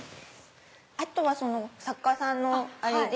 あとは作家さんのあれで。